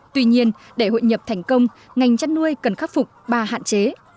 tuy nhiên để hội nhập thành công ngành chăn nuôi cần khắc phục ba hạn chế